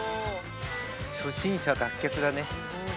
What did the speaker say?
初心者脱却だね。